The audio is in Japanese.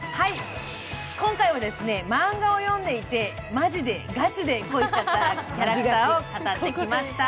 今回はマンガを読んでいてマジでガチで恋しちゃったキャラクターを語ってきました。